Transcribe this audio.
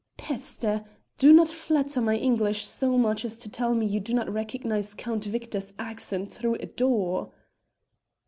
"Peste! Do not flatter my English so much as to tell me you do not recognise Count Victor's accent through a door."